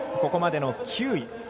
ここまでの９位。